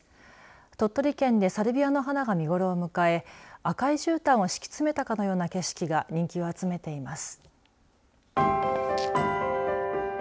鳥取県でサルビアの花が見頃を迎え赤いじゅうたんを敷きつめたかのような景色が人気を集めています。